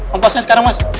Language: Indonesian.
kompasnya sekarang mas